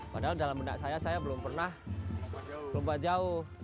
padahal dalam benak saya saya belum pernah lomba jauh